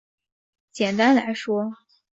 简单来说